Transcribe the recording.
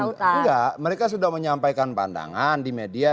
enggak mereka sudah menyampaikan pandangan di media